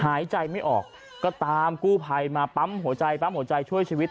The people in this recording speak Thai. หายใจไม่ออกก็ตามกู้ภัยมาปั๊มหัวใจปั๊มหัวใจช่วยชีวิต